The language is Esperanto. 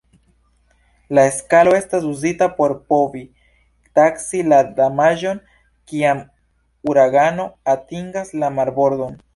La skalo estas uzita por povi taksi la damaĝon kiam uragano atingas la marbordon.